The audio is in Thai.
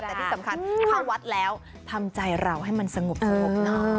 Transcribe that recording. แต่ที่สำคัญเข้าวัดแล้วทำใจเราให้มันสงบเนอะ